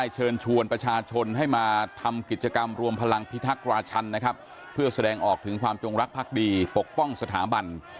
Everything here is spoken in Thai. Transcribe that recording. เชิญชวนประชาชนให้มาทำกิจกรรมรวมพลังพิทักษ์ราชันนะครับเพื่อแสดงออกถึงความจงรักภักดีปกป้องสถาบัน